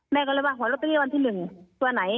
แม่ก็เลยว่าขอลอตเตอรี่วันที่๑ตัวไหน